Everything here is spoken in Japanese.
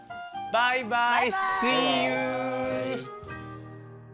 バイバイ。